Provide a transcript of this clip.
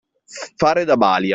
Fare da balia.